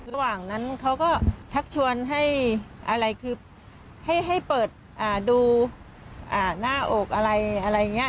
ระหว่างนั้นเขาก็ชักชวนให้อะไรคือให้เปิดดูหน้าอกอะไรอะไรอย่างนี้